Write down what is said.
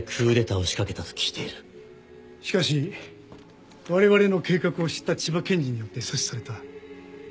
しかしわれわれの計画を知った千葉県人によって阻止された。